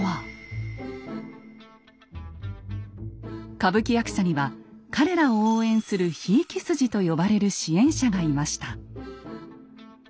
歌舞伎役者には彼らを応援する「ひいき筋」と呼ばれる支援者がいました。